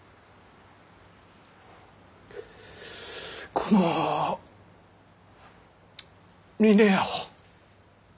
この峰屋を。